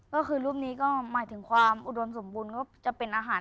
ก็คือรูปนี้ก็หมายถึงความอุดมสมบูรณ์ก็จะเป็นอาหาร